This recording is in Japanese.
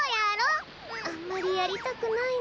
あんまりやりたくないな。